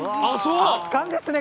圧巻ですね。